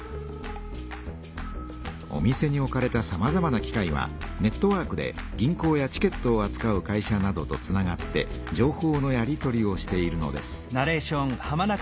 お店に置かれたさまざまな機械はネットワークで銀行やチケットをあつかう会社などとつながって情報のやり取りをしているのです。